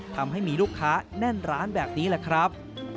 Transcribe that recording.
ทำให้มีลูกค้าแน่นร้านแบบนี้แหละครับ